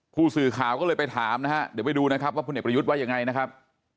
ผู้สื่อข่าวก็เลยไปถามนะฮะเดี๋ยวไปดูนะครับว่าพลเอกประยุทธ์ว่ายังไงนะครับ